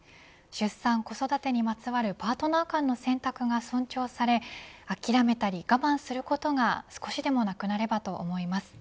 出産子育てにまつわるパートナー間の選択が尊重され諦めたり我慢することが少しでもなくなればと思います。